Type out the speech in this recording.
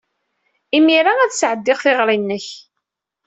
Imir-a ad sɛeddiɣ tiɣri-nnek.